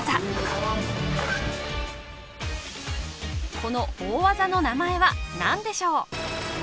この大技の名前は何でしょう？